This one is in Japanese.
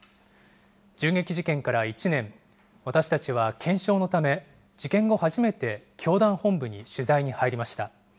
銃撃事件から１年、私たちは検証のため、事件後初めて、教団本部に取材に入りました。